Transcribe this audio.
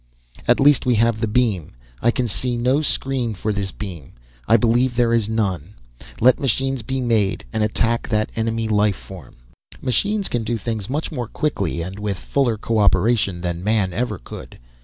"At least, we have the beam. I can see no screen for this beam. I believe there is none. Let machines be made and attack that enemy life form." Machines can do things much more quickly, and with fuller cooperation than man ever could.